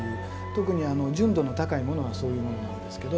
特に純度の高いものはそういうものなんですけど。